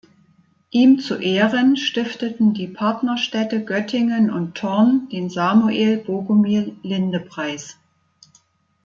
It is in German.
Ihm zu Ehren stifteten die Partnerstädte Göttingen und Thorn den Samuel-Bogumil-Linde-Preis.